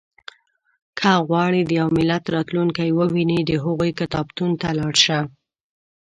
• که غواړې د یو ملت راتلونکی ووینې، د هغوی کتابتون ته لاړ شه.